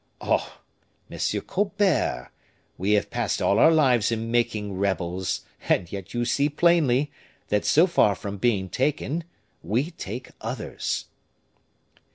"Oh! Monsieur Colbert, we have passed all our lives in making rebels, and yet you see plainly, that so far from being taken, we take others."